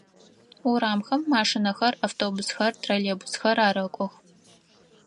Урамхэм машинэхэр, автобусхэр, троллейбусхэр арэкӏох.